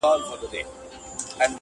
پر ملا کړوپ دی ستا له زور څخه خبر دی.!